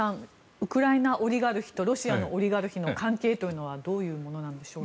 ウクライナオリガルヒとロシアのオリガルヒの関係というのはどういうものなんでしょうか。